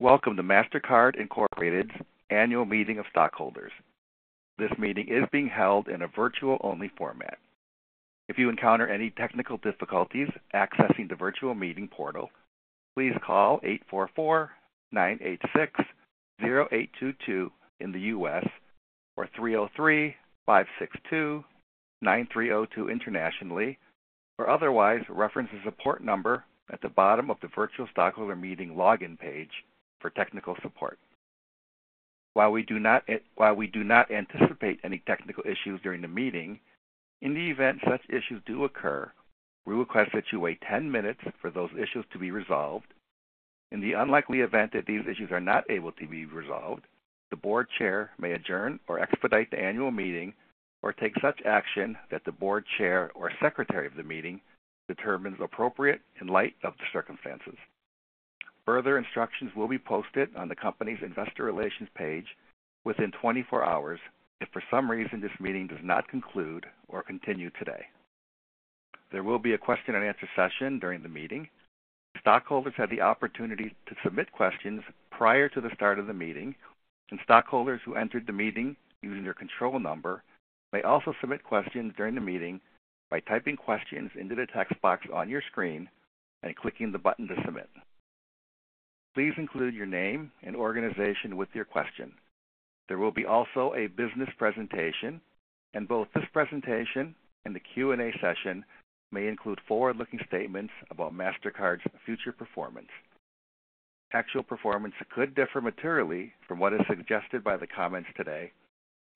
Welcome to Mastercard Incorporated's Annual Meeting of Stockholders. This meeting is being held in a virtual-only format. If you encounter any technical difficulties accessing the virtual meeting portal, please call 844-986-0822 in the U.S., or 303-562-9302 internationally, or otherwise reference the support number at the bottom of the virtual stockholder meeting login page for technical support. While we do not anticipate any technical issues during the meeting, in the event such issues do occur, we request that you wait 10 minutes for those issues to be resolved. In the unlikely event that these issues are not able to be resolved, the Board Chair may adjourn or expedite the annual meeting or take such action that the Board Chair or Secretary of the meeting determines appropriate in light of the circumstances. Further instructions will be posted on the company's investor relations page within 24 hours if, for some reason, this meeting does not conclude or continue today. There will be a question-and-answer session during the meeting. Stockholders have the opportunity to submit questions prior to the start of the meeting, and stockholders who entered the meeting using their control number may also submit questions during the meeting by typing questions into the text box on your screen and clicking the button to submit. Please include your name and organization with your question. There will also be a business presentation, and both this presentation and the Q&A session may include forward-looking statements about Mastercard's future performance. Actual performance could differ materially from what is suggested by the comments today,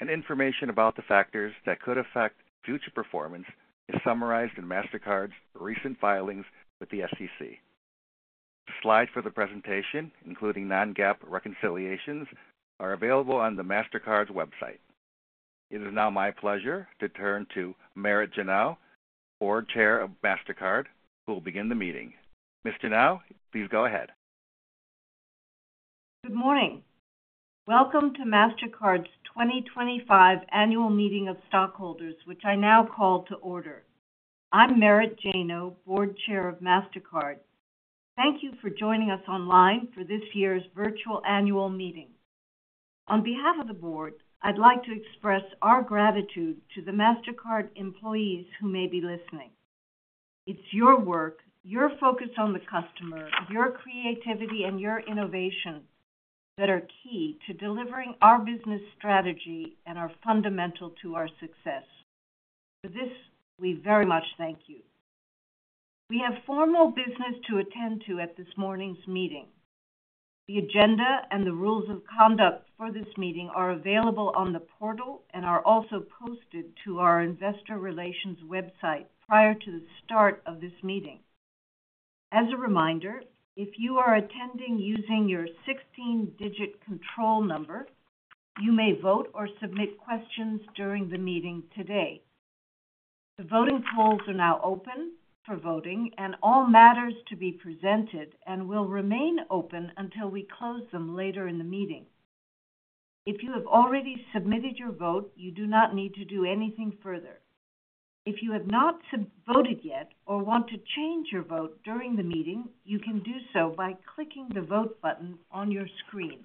and information about the factors that could affect future performance is summarized in Mastercard's recent filings with the SEC. Slides for the presentation, including non-GAAP reconciliations, are available on the Mastercard website. It is now my pleasure to turn to Merit Janow, Board Chair of Mastercard, who will begin the meeting. Ms. Janow, please go ahead. Good morning. Welcome to Mastercard's 2025 Annual Meeting of Stockholders, which I now call to order. I'm Merit Janow, Board Chair of Mastercard. Thank you for joining us online for this year's virtual annual meeting. On behalf of the Board, I'd like to express our gratitude to the Mastercard employees who may be listening. It's your work, your focus on the customer, your creativity, and your innovation that are key to delivering our business strategy and are fundamental to our success. For this, we very much thank you. We have formal business to attend to at this morning's meeting. The agenda and the rules of conduct for this meeting are available on the portal and are also posted to our investor relations website prior to the start of this meeting. As a reminder, if you are attending using your 16-digit control number, you may vote or submit questions during the meeting today. The voting polls are now open for voting, and all matters to be presented will remain open until we close them later in the meeting. If you have already submitted your vote, you do not need to do anything further. If you have not voted yet or want to change your vote during the meeting, you can do so by clicking the vote button on your screen.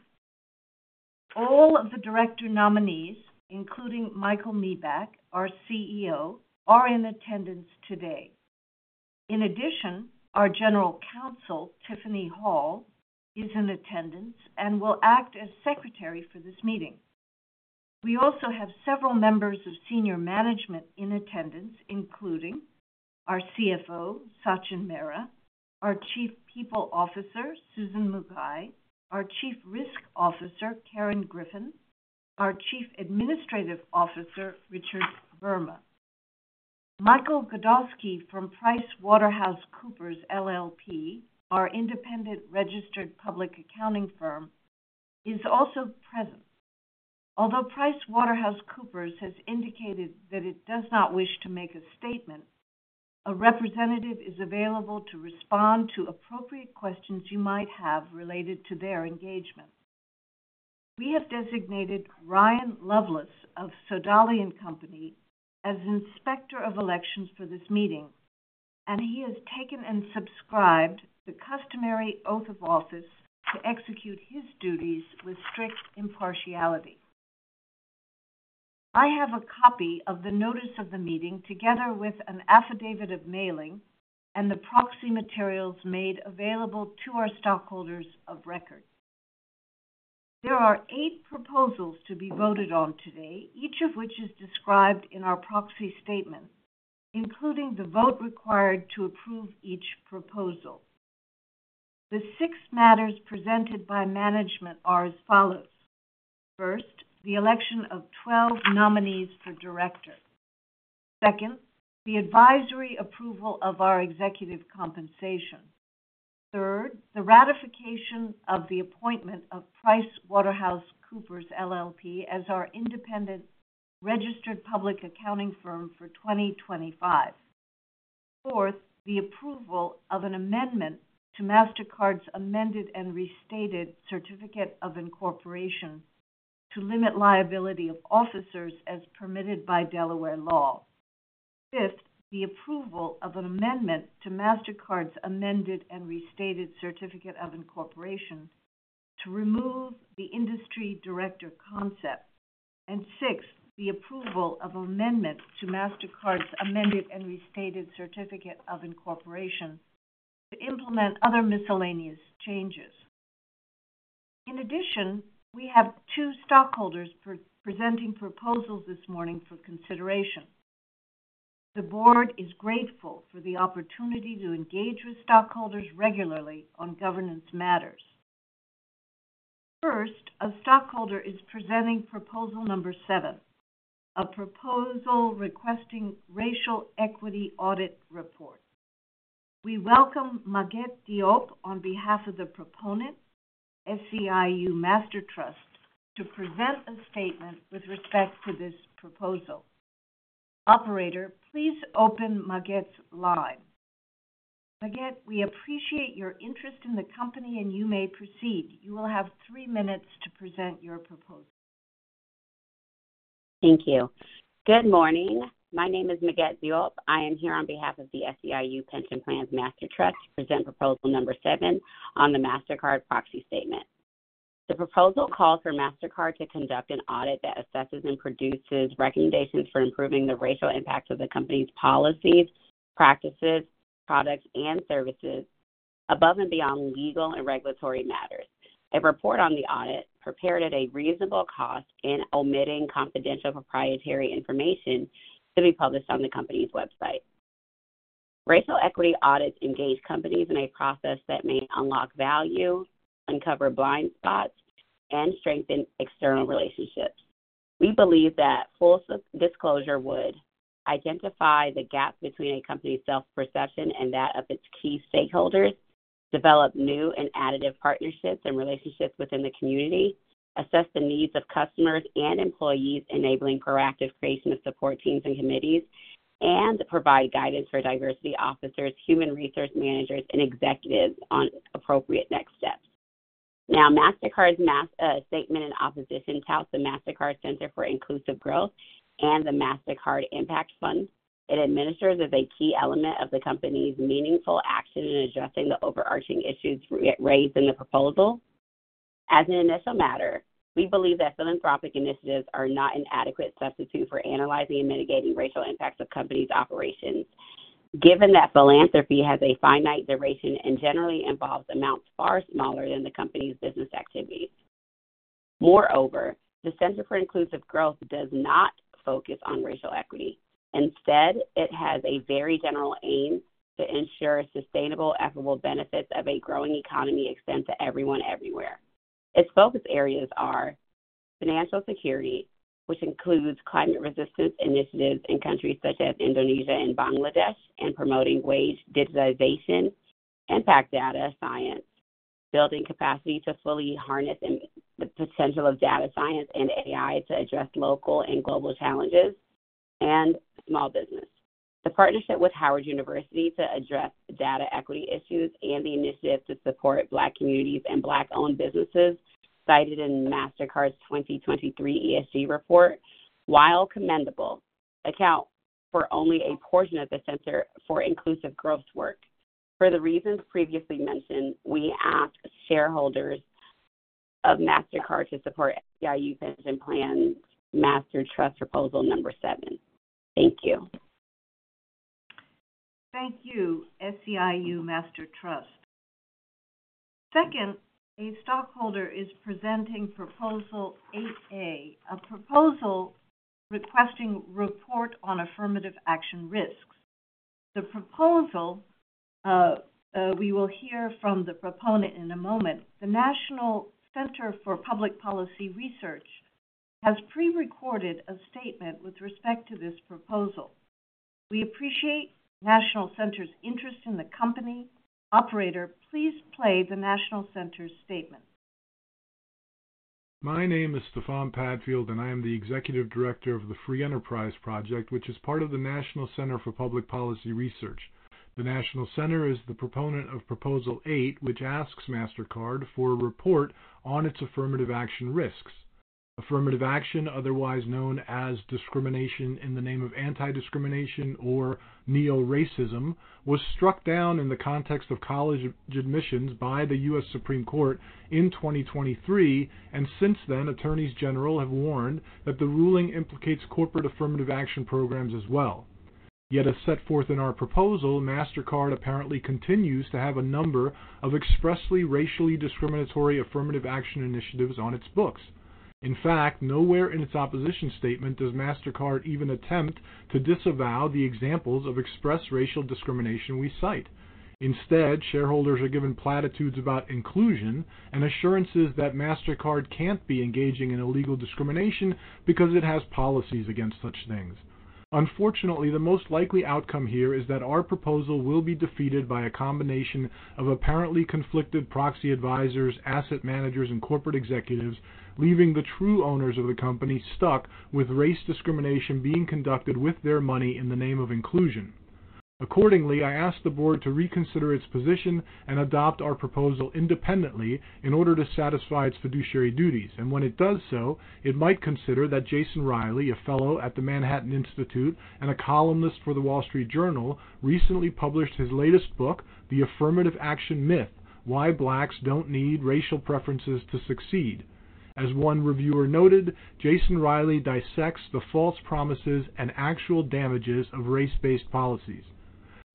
All of the director nominees, including Michael Miebach, our CEO, are in attendance today. In addition, our General Counsel, Tiffany Hall, is in attendance and will act as Secretary for this meeting. We also have several members of senior management in attendance, including our CFO, Sachin Mehra, our Chief People Officer, Susan Muigai, our Chief Risk Officer, Karen Griffin, our Chief Administrative Officer, Richard Verma. Michael Gadowski from PricewaterhouseCoopers LLP, our independent registered public accounting firm, is also present. Although PricewaterhouseCoopers has indicated that it does not wish to make a statement, a representative is available to respond to appropriate questions you might have related to their engagement. We have designated Ryan Loveless of Sodali & Co as inspector of elections for this meeting, and he has taken and subscribed the customary oath of office to execute his duties with strict impartiality. I have a copy of the notice of the meeting together with an affidavit of mailing and the proxy materials made available to our stockholders of record. There are eight proposals to be voted on today, each of which is described in our proxy statement, including the vote required to approve each proposal. The six matters presented by management are as follows. First, the election of 12 nominees for Director. Second, the advisory approval of our executive compensation. Third, the ratification of the appointment of PricewaterhouseCoopers LLP as our independent registered public accounting firm for 2025. Fourth, the approval of an amendment to Mastercard's amended and restated certificate of incorporation to limit liability of officers as permitted by Delaware law. Fifth, the approval of an amendment to Mastercard's amended and restated certificate of incorporation to remove the Industry Director concept. Sixth, the approval of an amendment to Mastercard's amended and restated Certificate of Incorporation to implement other miscellaneous changes. In addition, we have two stockholders presenting proposals this morning for consideration. The board is grateful for the opportunity to engage with stockholders regularly on governance matters. First, a stockholder is presenting proposal number seven, a proposal requesting racial equity audit report. We welcome Maguette Diop on behalf of the proponent, SEIU Master Trust, to present a statement with respect to this proposal. Operator, please open Maguette's line. Maguette, we appreciate your interest in the company, and you may proceed. You will have three minutes to present your proposal. Thank you. Good morning. My name is Marguerite Diop. I am here on behalf of the SEIU Pension Plans Master Trust to present proposal number seven on the Mastercard proxy statement. The proposal calls for Mastercard to conduct an audit that assesses and produces recommendations for improving the racial impact of the company's policies, practices, products, and services above and beyond legal and regulatory matters. A report on the audit, prepared at a reasonable cost and omitting confidential proprietary information, should be published on the company's website. Racial equity audits engage companies in a process that may unlock value, uncover blind spots, and strengthen external relationships. We believe that full disclosure would identify the gap between a company's self-perception and that of its key stakeholders, develop new and additive partnerships and relationships within the community, assess the needs of customers and employees, enabling proactive creation of support teams and committees, and provide guidance for diversity officers, human resource managers, and executives on appropriate next steps. Now, Mastercard's statement in opposition touts the Mastercard Center for Inclusive Growth and the Mastercard Impact Fund. It administers as a key element of the company's meaningful action in addressing the overarching issues raised in the proposal. As an initial matter, we believe that philanthropic initiatives are not an adequate substitute for analyzing and mitigating racial impacts of company's operations, given that philanthropy has a finite duration and generally involves amounts far smaller than the company's business activities. Moreover, the Center for Inclusive Growth does not focus on racial equity. Instead, it has a very general aim to ensure sustainable, equitable benefits of a growing economy extend to everyone everywhere. Its focus areas are financial security, which includes climate resistance initiatives in countries such as Indonesia and Bangladesh, and promoting wage digitization and PAC data science, building capacity to fully harness the potential of data science and AI to address local and global challenges, and small business. The partnership with Howard University to address data equity issues and the initiative to support Black communities and Black-owned businesses cited in Mastercard's 2023 ESG report, while commendable, account for only a portion of the Center for Inclusive Growth's work. For the reasons previously mentioned, we ask shareholders of Mastercard to support SEIU Pension Plans Master Trust proposal number seven. Thank you. Thank you, SEIU Master Trust. Second, a stockholder is presenting proposal 8A, a proposal requesting report on affirmative action risks. The proposal we will hear from the proponent in a moment, the National Center for Public Policy Research, has prerecorded a statement with respect to this proposal. We appreciate National Center's interest in the company. Operator, please play the National Center's statement. My name is Stefan Padfield, and I am the Executive Director of the Free Enterprise Project, which is part of the National Center for Public Policy Research. The National Center is the proponent of proposal 8, which asks Mastercard for a report on its affirmative action risks. Affirmative action, otherwise known as discrimination in the name of anti-discrimination or neo-racism, was struck down in the context of college admissions by the U.S. Supreme Court in 2023, and since then, attorneys general have warned that the ruling implicates corporate affirmative action programs as well. Yet, as set forth in our proposal, Mastercard apparently continues to have a number of expressly racially discriminatory affirmative action initiatives on its books. In fact, nowhere in its opposition statement does Mastercard even attempt to disavow the examples of express racial discrimination we cite. Instead, shareholders are given platitudes about inclusion and assurances that Mastercard can't be engaging in illegal discrimination because it has policies against such things. Unfortunately, the most likely outcome here is that our proposal will be defeated by a combination of apparently conflicted proxy advisors, asset managers, and corporate executives, leaving the true owners of the company stuck with race discrimination being conducted with their money in the name of inclusion. I ask the board to reconsider its position and adopt our proposal independently in order to satisfy its fiduciary duties. When it does so, it might consider that Jason Riley, a fellow at the Manhattan Institute and a columnist for the Wall Street Journal, recently published his latest book, The Affirmative Action Myth: Why Blacks Don't Need Racial Preferences to Succeed. As one reviewer noted, Jason Riley dissects the false promises and actual damages of race-based policies.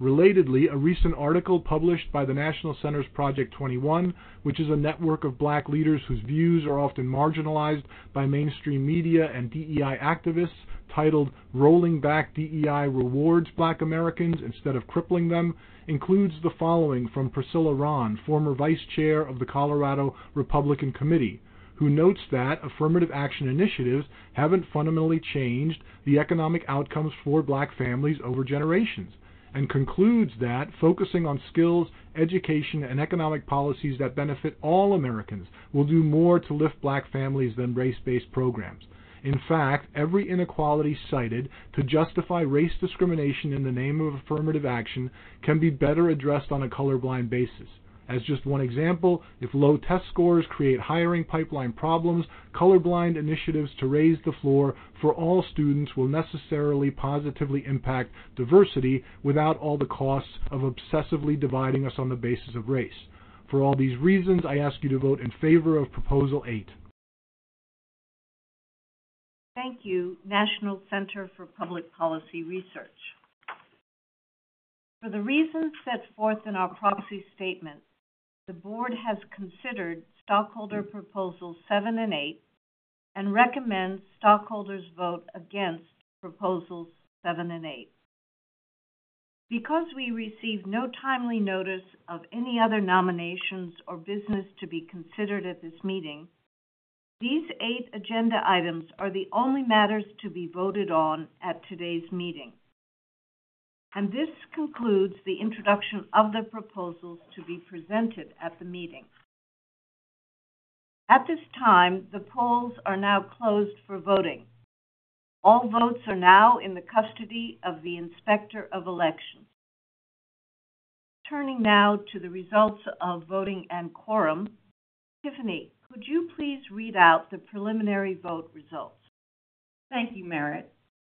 Relatedly, a recent article published by the National Center's Project 21, which is a network of Black leaders whose views are often marginalized by mainstream media and DEI activists, titled Rolling Back DEI Rewards Black Americans Instead of Crippling Them, includes the following from Priscilla Rahn, former vice chair of the Colorado Republican Committee, who notes that affirmative action initiatives have not fundamentally changed the economic outcomes for Black families over generations, and concludes that focusing on skills, education, and economic policies that benefit all Americans will do more to lift Black families than race-based programs. In fact, every inequality cited to justify race discrimination in the name of affirmative action can be better addressed on a colorblind basis. As just one example, if low test scores create hiring pipeline problems, colorblind initiatives to raise the floor for all students will necessarily positively impact diversity without all the costs of obsessively dividing us on the basis of race. For all these reasons, I ask you to vote in favor of proposal 8. Thank you, National Center for Public Policy Research. For the reasons set forth in our proxy statement, the board has considered stockholder proposals 7 and 8 and recommends stockholders vote against proposals 7 and 8. Because we received no timely notice of any other nominations or business to be considered at this meeting, these eight agenda items are the only matters to be voted on at today's meeting. This concludes the introduction of the proposals to be presented at the meeting. At this time, the polls are now closed for voting. All votes are now in the custody of the inspector of elections. Turning now to the results of voting and quorum, Tiffany, could you please read out the preliminary vote results? Thank you, Merit.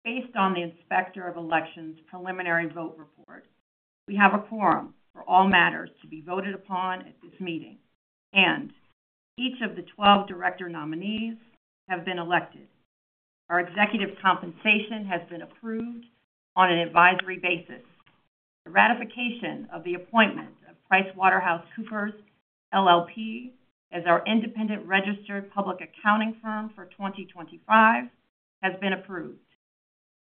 Based on the inspector of elections preliminary vote report, we have a quorum for all matters to be voted upon at this meeting, and each of the 12 director nominees have been elected. Our executive compensation has been approved on an advisory basis. The ratification of the appointment of PricewaterhouseCoopers LLP as our independent registered public accounting firm for 2025 has been approved.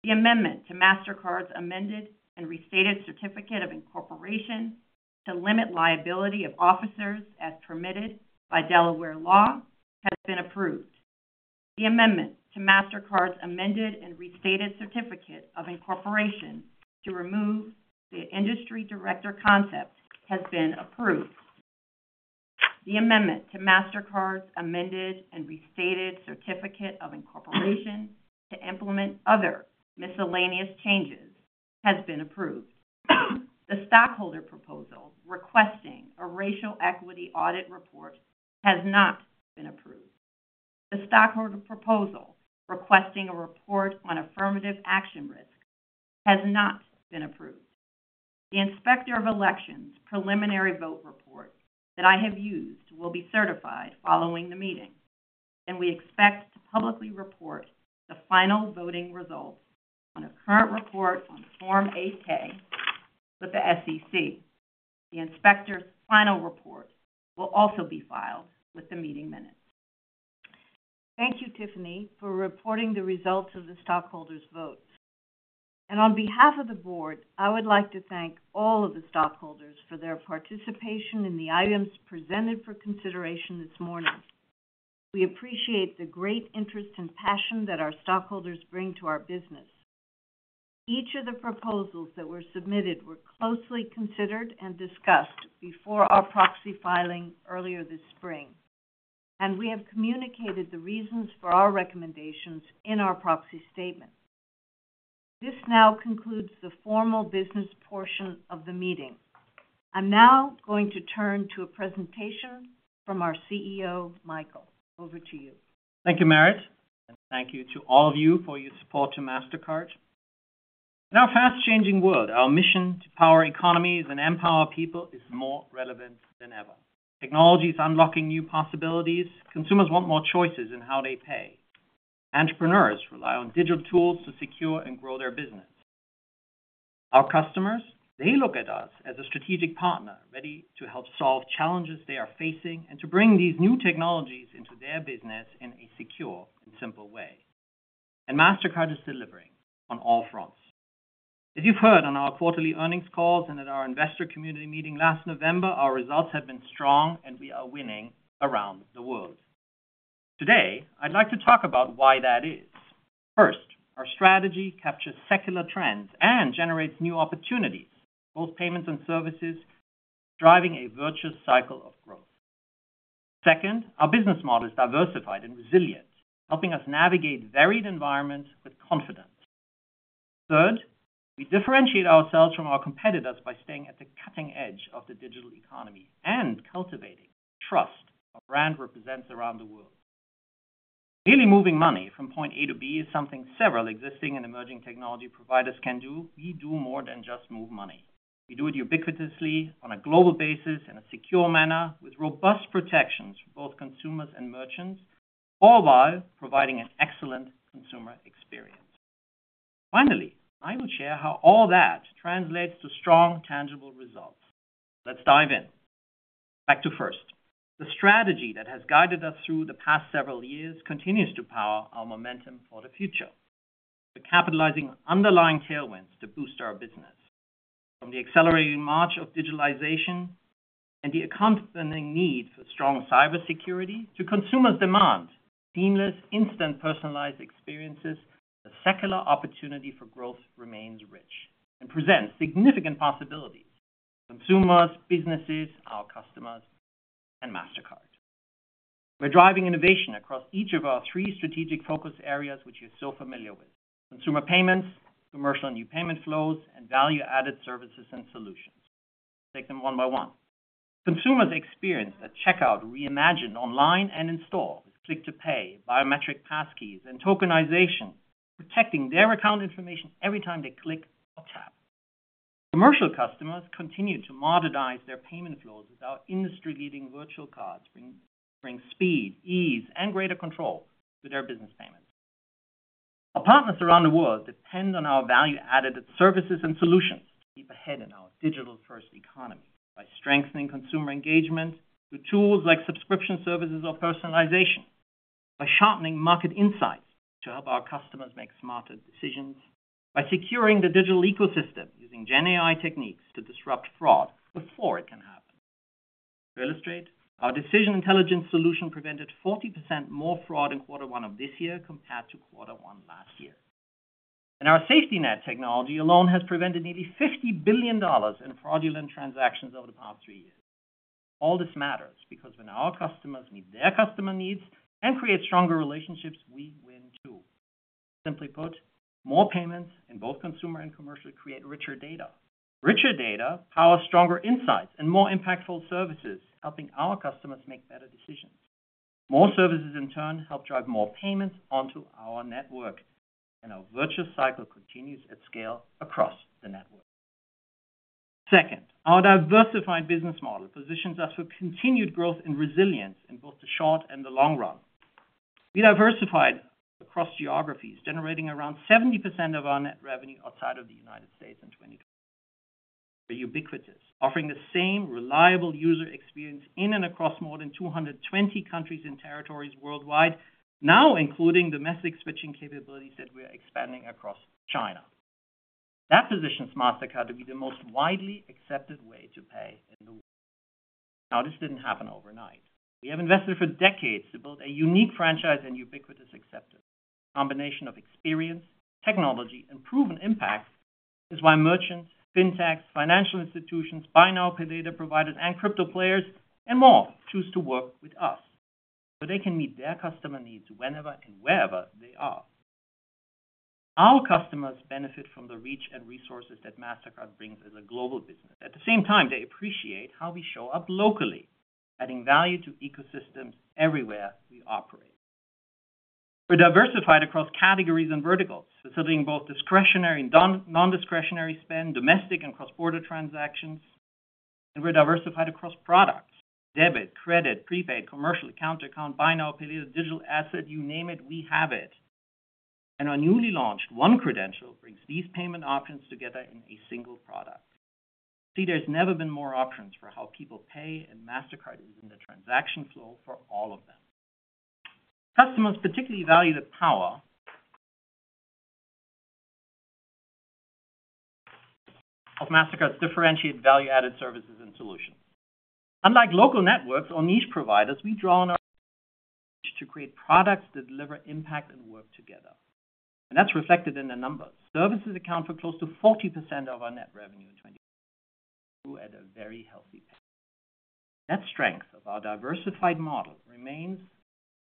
The amendment to Mastercard's amended and restated certificate of incorporation to limit liability of officers as permitted by Delaware law has been approved. The amendment to Mastercard's amended and restated certificate of incorporation to remove the industry director concept has been approved. The amendment to Mastercard's amended and restated certificate of incorporation to implement other miscellaneous changes has been approved. The stockholder proposal requesting a racial equity audit report has not been approved. The stockholder proposal requesting a report on affirmative action risk has not been approved. The inspector of elections preliminary vote report that I have used will be certified following the meeting, and we expect to publicly report the final voting results on a current report on Form 8K with the SEC. The inspector's final report will also be filed with the meeting minutes. Thank you, Tiffany, for reporting the results of the stockholders' votes. On behalf of the board, I would like to thank all of the stockholders for their participation in the items presented for consideration this morning. We appreciate the great interest and passion that our stockholders bring to our business. Each of the proposals that were submitted were closely considered and discussed before our proxy filing earlier this spring, and we have communicated the reasons for our recommendations in our proxy statement. This now concludes the formal business portion of the meeting. I'm now going to turn to a presentation from our CEO, Michael. Over to you. Thank you, Merit. Thank you to all of you for your support to Mastercard. In our fast-changing world, our mission to power economies and empower people is more relevant than ever. Technology is unlocking new possibilities. Consumers want more choices in how they pay. Entrepreneurs rely on digital tools to secure and grow their business. Our customers, they look at us as a strategic partner ready to help solve challenges they are facing and to bring these new technologies into their business in a secure and simple way. Mastercard is delivering on all fronts. As you've heard on our quarterly earnings calls and at our investor community meeting last November, our results have been strong, and we are winning around the world. Today, I'd like to talk about why that is. First, our strategy captures secular trends and generates new opportunities, both payments and services, driving a virtuous cycle of growth. Second, our business model is diversified and resilient, helping us navigate varied environments with confidence. Third, we differentiate ourselves from our competitors by staying at the cutting edge of the digital economy and cultivating trust our brand represents around the world. Daily moving money from point A to B is something several existing and emerging technology providers can do. We do more than just move money. We do it ubiquitously on a global basis in a secure manner with robust protections for both consumers and merchants, all while providing an excellent consumer experience. Finally, I will share how all that translates to strong, tangible results. Let's dive in. Back to first. The strategy that has guided us through the past several years continues to power our momentum for the future. We're capitalizing underlying tailwinds to boost our business, from the accelerating march of digitalization and the accompanying need for strong cybersecurity to consumers' demand for seamless, instant personalized experiences. The secular opportunity for growth remains rich and presents significant possibilities for consumers, businesses, our customers, and Mastercard. We're driving innovation across each of our three strategic focus areas, which you're so familiar with: consumer payments, commercial and new payment flows, and value-added services and solutions. Let's take them one by one. Consumers experience that checkout reimagined online and in-store with Click to Pay, biometric passkeys, and tokenization, protecting their account information every time they click or tap. Commercial customers continue to modernize their payment flows with our industry-leading Virtual Cards, bringing speed, ease, and greater control to their business payments. Our partners around the world depend on our value-added services and solutions to keep ahead in our digital-first economy by strengthening consumer engagement through tools like subscription services or personalization, by sharpening market insights to help our customers make smarter decisions, by securing the digital ecosystem using GenAI techniques to disrupt fraud before it can happen. To illustrate, our decision intelligence solution prevented 40% more fraud in quarter one of this year compared to quarter one last year. Our safety net technology alone has prevented nearly $50 billion in fraudulent transactions over the past three years. All this matters because when our customers meet their customer needs and create stronger relationships, we win too. Simply put, more payments in both consumer and commercial create richer data. Richer data powers stronger insights and more impactful services, helping our customers make better decisions. More services, in turn, help drive more payments onto our network, and our virtuous cycle continues at scale across the network. Second, our diversified business model positions us for continued growth and resilience in both the short and the long run. We diversified across geographies, generating around 70% of our net revenue outside of the United States in 2020. We're ubiquitous, offering the same reliable user experience in and across more than 220 countries and territories worldwide, now including domestic switching capabilities that we're expanding across China. That positions Mastercard to be the most widely accepted way to pay in the world. Now, this did not happen overnight. We have invested for decades to build a unique franchise and ubiquitous acceptance. The combination of experience, technology, and proven impact is why merchants, fintechs, financial institutions, buy now pay later providers, and crypto players, and more, choose to work with us so they can meet their customer needs whenever and wherever they are. Our customers benefit from the reach and resources that Mastercard brings as a global business. At the same time, they appreciate how we show up locally, adding value to ecosystems everywhere we operate. We are diversified across categories and verticals, facilitating both discretionary and non-discretionary spend, domestic and cross-border transactions. We are diversified across products: debit, credit, prepaid, commercial, account to account, buy now pay later, digital asset, you name it, we have it. Our newly launched One Credential brings these payment options together in a single product. See, there has never been more options for how people pay, and Mastercard is in the transaction flow for all of them. Customers particularly value the power of Mastercard's differentiated value-added services and solutions. Unlike local networks or niche providers, we draw on our strategy to create products that deliver impact and work together. That is reflected in the numbers. Services account for close to 40% of our net revenue in 2020, at a very healthy pace. That strength of our diversified model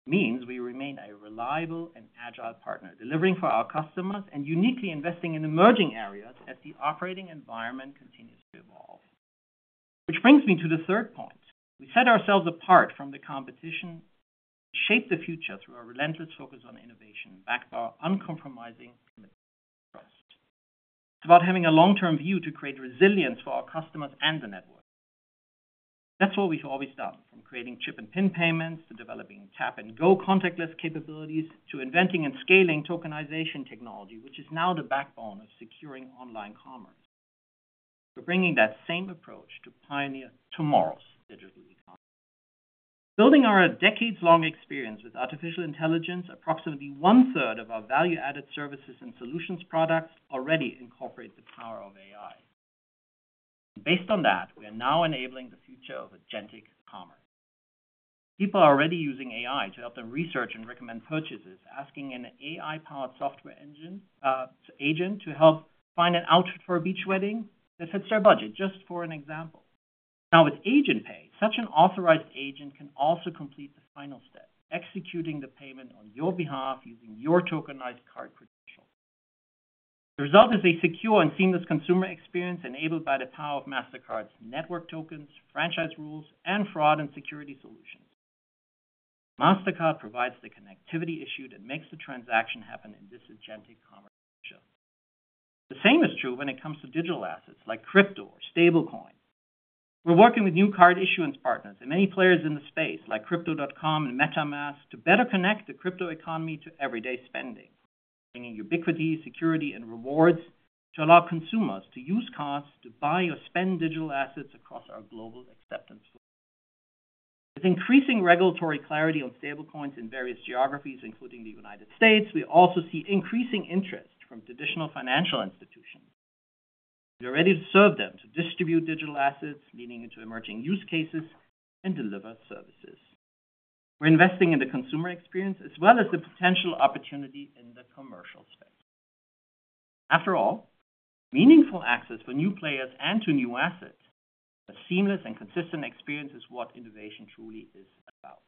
means we remain a reliable and agile partner, delivering for our customers and uniquely investing in emerging areas as the operating environment continues to evolve. Which brings me to the third point. We set ourselves apart from the competition to shape the future through our relentless focus on innovation backed by our uncompromising commitment to trust. It is about having a long-term view to create resilience for our customers and the network. That's what we've always done, from creating chip and PIN payments to developing tap-and-go contactless capabilities to inventing and scaling tokenization technology, which is now the backbone of securing online commerce. We're bringing that same approach to pioneer tomorrow's digital economy. Building our decades-long experience with artificial intelligence, approximately one-third of our value-added services and solutions products already incorporate the power of AI. Based on that, we are now enabling the future of agentic commerce. People are already using AI to help them research and recommend purchases, asking an AI-powered software agent to help find an outfit for a beach wedding that fits their budget, just for an example. Now, with agentPay, such an authorized agent can also complete the final step, executing the payment on your behalf using your tokenized card credentials. The result is a secure and seamless consumer experience enabled by the power of Mastercard's network tokens, franchise rules, and fraud and security solutions. Mastercard provides the connectivity issued and makes the transaction happen in this agentic commerce shift. The same is true when it comes to digital assets like crypto or stablecoins. We're working with new card issuance partners and many players in the space like Crypto.com and MetaMask to better connect the crypto economy to everyday spending, bringing ubiquity, security, and rewards to allow consumers to use cards to buy or spend digital assets across our global acceptance flow. With increasing regulatory clarity on stablecoins in various geographies, including the United States, we also see increasing interest from traditional financial institutions. We are ready to serve them to distribute digital assets, leading into emerging use cases and deliver services. We're investing in the consumer experience as well as the potential opportunity in the commercial space. After all, meaningful access for new players and to new assets, a seamless and consistent experience is what innovation truly is about.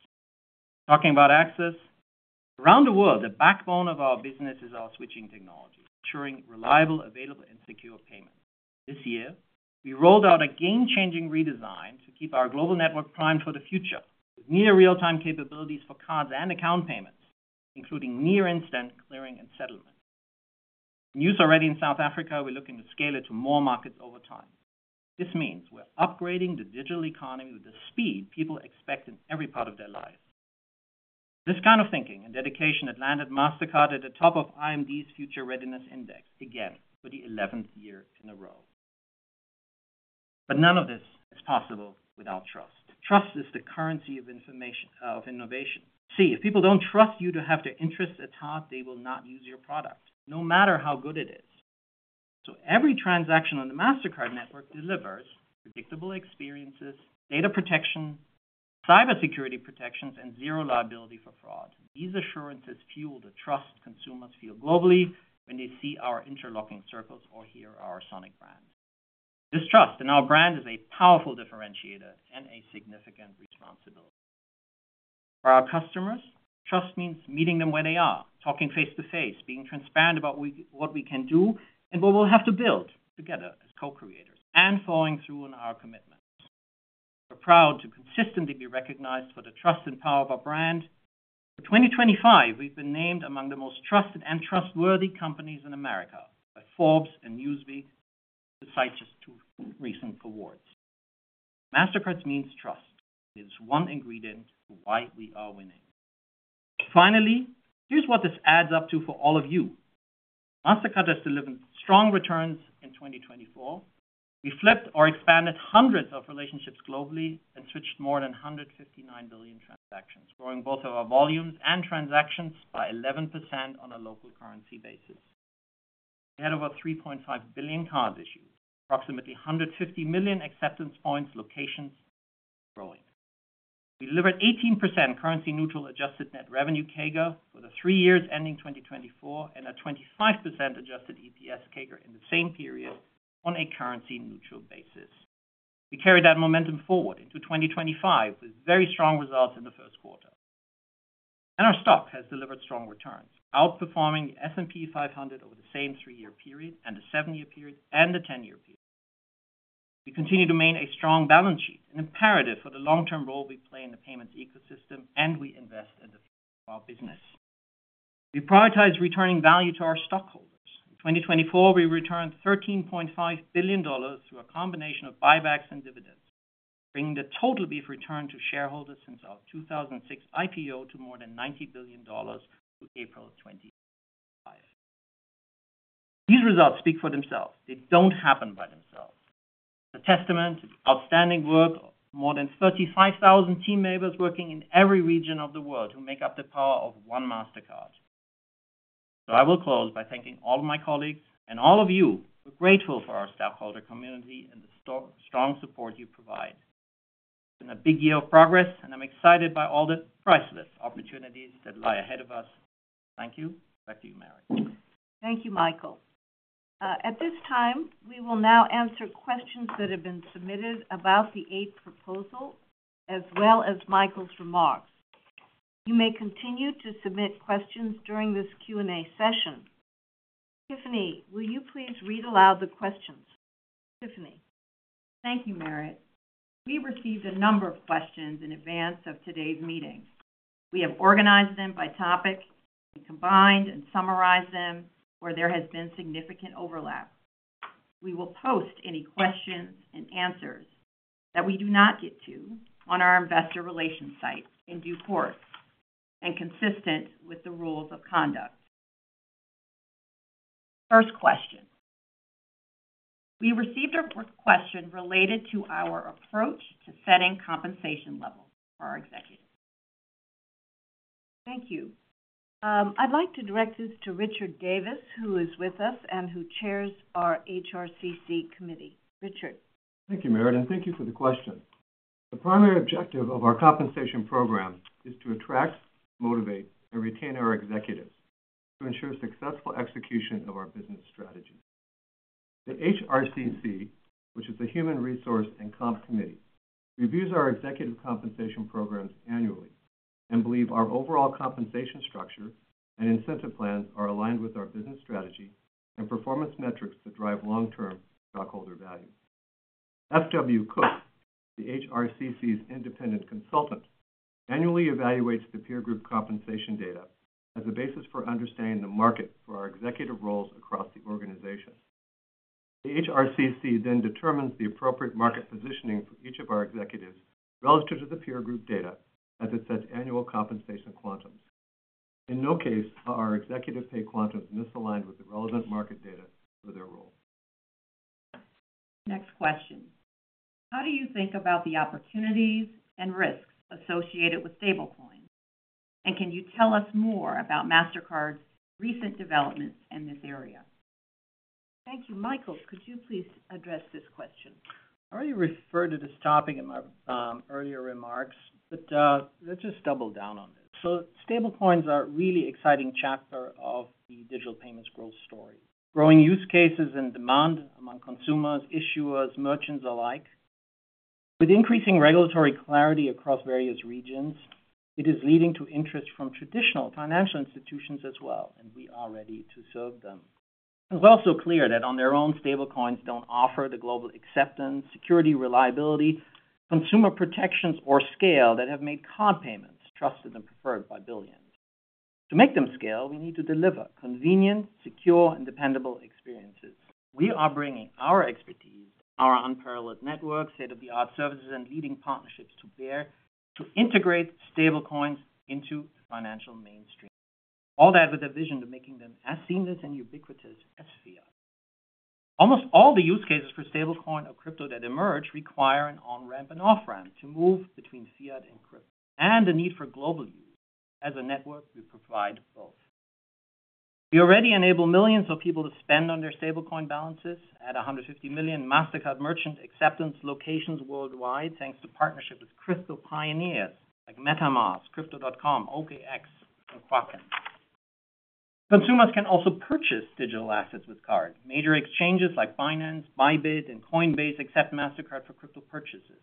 Talking about access, around the world, the backbone of our business is our switching technology, ensuring reliable, available, and secure payments. This year, we rolled out a game-changing redesign to keep our global network primed for the future, with near-real-time capabilities for cards and account payments, including near-instant clearing and settlement. In use already in South Africa, we're looking to scale it to more markets over time. This means we're upgrading the digital economy with the speed people expect in every part of their lives. This kind of thinking and dedication has landed Mastercard at the top of IMD's Future Readiness Index again for the 11th year in a row. None of this is possible without trust. Trust is the currency of innovation. See, if people do not trust you to have their interests at heart, they will not use your product, no matter how good it is. Every transaction on the Mastercard network delivers predictable experiences, data protection, cybersecurity protections, and zero liability for fraud. These assurances fuel the trust consumers feel globally when they see our interlocking circles or hear our sonic brand. This trust in our brand is a powerful differentiator and a significant responsibility. For our customers, trust means meeting them where they are, talking face-to-face, being transparent about what we can do and what we will have to build together as co-creators and following through on our commitments. We are proud to consistently be recognized for the trust and power of our brand. For 2025, we've been named among the most trusted and trustworthy companies in America by Forbes and Newsweek, the site just two recent awards. Mastercard means trust. It is one ingredient for why we are winning. Finally, here's what this adds up to for all of you. Mastercard has delivered strong returns in 2024. We flipped or expanded hundreds of relationships globally and switched more than 159 billion transactions, growing both of our volumes and transactions by 11% on a local currency basis. We had over 3.5 billion cards issued, approximately 150 million acceptance points, locations growing. We delivered 18% currency-neutral adjusted net revenue CAGR for the three years ending 2024 and a 25% adjusted EPS CAGR in the same period on a currency-neutral basis. We carried that momentum forward into 2025 with very strong results in the first quarter. Our stock has delivered strong returns, outperforming the S&P 500 over the same three-year period, the seven-year period, and the ten-year period. We continue to maintain a strong balance sheet, an imperative for the long-term role we play in the payments ecosystem, and we invest in the future of our business. We prioritize returning value to our stockholders. In 2024, we returned $13.5 billion through a combination of buybacks and dividends, bringing the total return to shareholders since our 2006 IPO to more than $90 billion through April 2025. These results speak for themselves. They do not happen by themselves. It is a testament to the outstanding work of more than 35,000 team members working in every region of the world who make up the power of one Mastercard. I will close by thanking all of my colleagues and all of you who are grateful for our stakeholder community and the strong support you provide. It's been a big year of progress, and I'm excited by all the priceless opportunities that lie ahead of us. Thank you. Back to you, Merit. Thank you, Michael. At this time, we will now answer questions that have been submitted about the eight proposals, as well as Michael's remarks. You may continue to submit questions during this Q&A session. Tiffany, will you please read aloud the questions? Tiffany. Thank you, Merit. We received a number of questions in advance of today's meeting. We have organized them by topic, combined and summarized them where there has been significant overlap. We will post any questions and answers that we do not get to on our investor relations site in due course and consistent with the rules of conduct. First question. We received a question related to our approach to setting compensation levels for our executives. Thank you. I'd like to direct this to Richard Davis, who is with us and who chairs our HRCC committee. Richard. Thank you, [Merit], and thank you for the question. The primary objective of our compensation program is to attract, motivate, and retain our executives to ensure successful execution of our business strategy. The HRCC, which is the Human Resources and Compensation Committee, reviews our executive compensation programs annually and believes our overall compensation structure and incentive plans are aligned with our business strategy and performance metrics that drive long-term stockholder value. FW Cook, the HRCC's independent consultant, annually evaluates the peer group compensation data as a basis for understanding the market for our executive roles across the organization. The HRCC then determines the appropriate market positioning for each of our executives relative to the peer group data as it sets annual compensation quantums. In no case are our executive pay quantums misaligned with the relevant market data for their role. Next question. How do you think about the opportunities and risks associated with stablecoins? And can you tell us more about Mastercard's recent developments in this area? Thank you. Michael, could you please address this question? I already referred to the stopping in my earlier remarks, but let's just double down on this. Stablecoins are a really exciting chapter of the digital payments growth story, growing use cases and demand among consumers, issuers, merchants alike. With increasing regulatory clarity across various regions, it is leading to interest from traditional financial institutions as well, and we are ready to serve them. It's also clear that on their own, stablecoins don't offer the global acceptance, security, reliability, consumer protections, or scale that have made card payments trusted and preferred by billions. To make them scale, we need to deliver convenient, secure, and dependable experiences. We are bringing our expertise, our unparalleled networks, state-of-the-art services, and leading partnerships to bear to integrate stablecoins into the financial mainstream, all that with a vision of making them as seamless and ubiquitous as Fiat. Almost all the use cases for stablecoin or crypto that emerge require an on-ramp and off-ramp to move between Fiat and crypto, and the need for global use as a network will provide both. We already enable millions of people to spend on their stablecoin balances at 150 million Mastercard merchant acceptance locations worldwide, thanks to partnerships with crypto pioneers like MetaMask, Crypto.com, OKX, and Kraken. Consumers can also purchase digital assets with card. Major exchanges like Binance, Bybit, and Coinbase accept Mastercard for crypto purchases,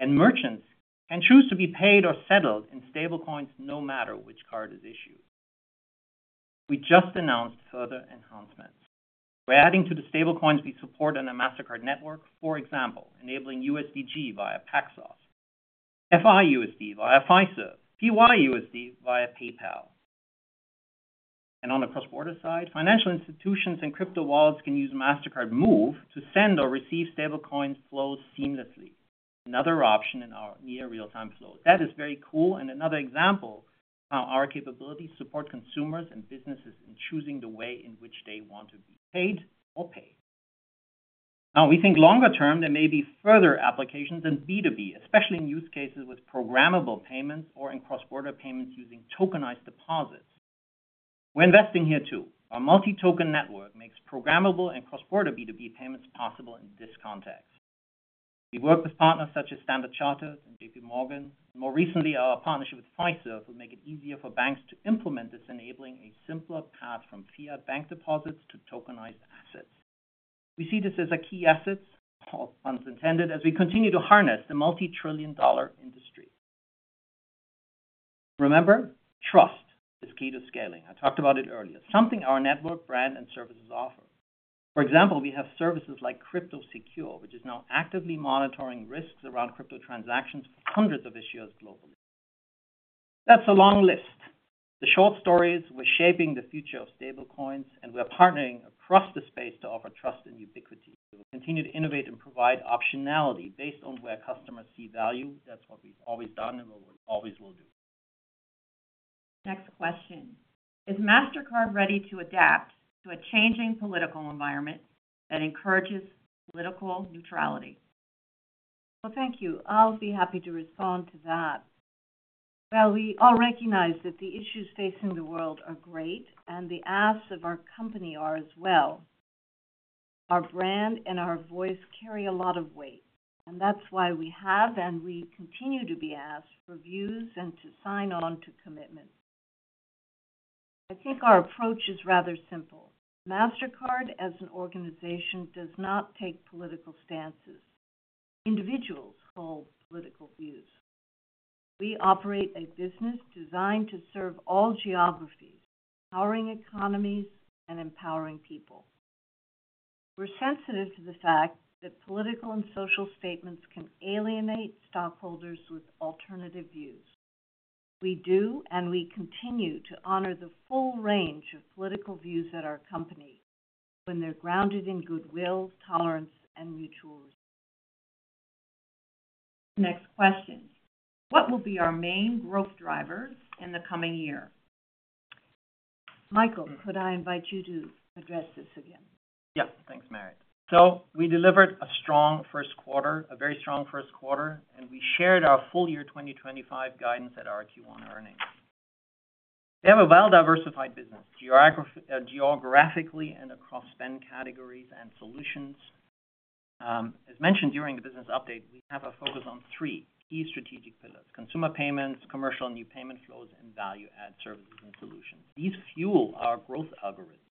and merchants can choose to be paid or settled in stablecoins no matter which card is issued. We just announced further enhancements. We are adding to the stablecoins we support on the Mastercard network, for example, enabling USDG via Paxos, FI USD via Fiserv, PYUSD via PayPal. On the cross-border side, financial institutions and crypto wallets can use Mastercard Move to send or receive stablecoin flows seamlessly, another option in our near-real-time flows. That is very cool and another example of how our capabilities support consumers and businesses in choosing the way in which they want to be paid or pay. Now, we think longer-term there may be further applications in B2B, especially in use cases with programmable payments or in cross-border payments using tokenized deposits. We're investing here too. Our multi-token network makes programmable and cross-border B2B payments possible in this context. We've worked with partners such as Standard Chartered and JPMorgan, and more recently, our partnership with Fiserv will make it easier for banks to implement this, enabling a simpler path from Fiat bank deposits to tokenized assets. We see this as a key asset, all funds intended, as we continue to harness the multi-trillion dollar industry. Remember, trust is key to scaling. I talked about it earlier, something our network, brand, and services offer. For example, we have services like Crypto Secure, which is now actively monitoring risks around crypto transactions for hundreds of issuers globally. That's a long list. The short story is we're shaping the future of stablecoins, and we're partnering across the space to offer trust and ubiquity. We'll continue to innovate and provide optionality based on where customers see value. That's what we've always done and what we always will do. Next question. Is Mastercard ready to adapt to a changing political environment that encourages political neutrality? Thank you. I'll be happy to respond to that. We all recognize that the issues facing the world are great, and the asks of our company are as well. Our brand and our voice carry a lot of weight, and that's why we have and we continue to be asked for views and to sign on to commitment. I think our approach is rather simple. Mastercard, as an organization, does not take political stances. Individuals hold political views. We operate a business designed to serve all geographies, powering economies, and empowering people. We're sensitive to the fact that political and social statements can alienate stockholders with alternative views. We do, and we continue to honor the full range of political views at our company when they're grounded in goodwill, tolerance, and mutual respect. Next question. What will be our main growth drivers in the coming year? Michael, could I invite you to address this again? Yeah. Thanks, Merit. So we delivered a strong first quarter, a very strong first quarter, and we shared our full year 2025 guidance at Q1 earnings. We have a well-diversified business geographically and across spend categories and solutions. As mentioned during the business update, we have a focus on three key strategic pillars: consumer payments, commercial new payment flows, and value-add services and solutions. These fuel our growth algorithms,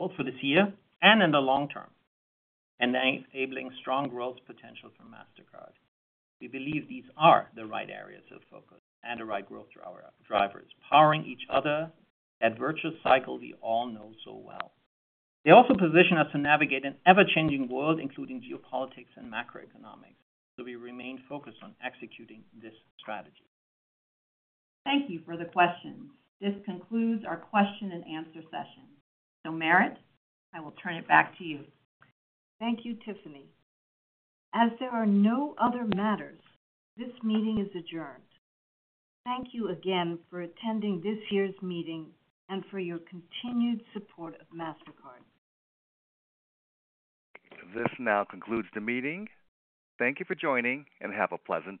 both for this year and in the long term, enabling strong growth potential for Mastercard. We believe these are the right areas of focus and the right growth drivers, powering each other, that virtuous cycle we all know so well. They also position us to navigate an ever-changing world, including geopolitics and macroeconomics, so we remain focused on executing this strategy. Thank you for the questions. This concludes our question-and-answer session. Merit, I will turn it back to you. Thank you, Tiffany. As there are no other matters, this meeting is adjourned. Thank you again for attending this year's meeting and for your continued support of Mastercard. This now concludes the meeting. Thank you for joining, and have a pleasant day.